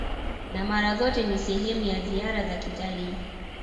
na mara zote ni sehemu ya ziara za kitalii